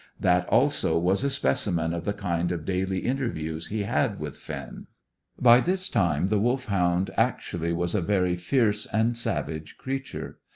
That also was a specimen of the kind of daily interviews he had with Finn. By this time the Wolfhound actually was a very fierce and savage creature.